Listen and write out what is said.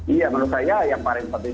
iya menurut saya yang paling penting